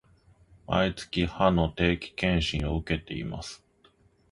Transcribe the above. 毎月、歯の定期検診を受けています